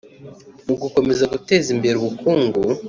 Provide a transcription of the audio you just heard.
Mu gukomeza guteza imbere ubukungu